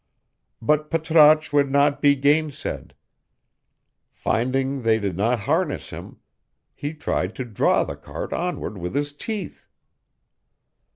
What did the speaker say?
But Patrasche would not be gainsaid: finding they did not harness him, he tried to draw the cart onward with his teeth.